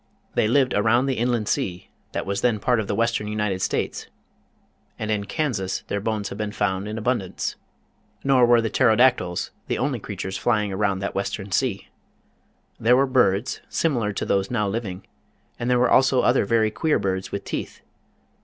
They lived around the inland sea that was then part of the western United States, and in Kansas their bones have been found in abundance. Nor were the Pterodactyls the only creatures flying THE FLYING REPTILES 85 around that western sea. There were birds, similar to those now living, and there were also other very queer birds with teeth.